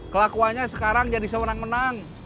kelakuannya sekarang jadi seorang menang